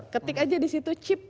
ketik aja di situ chip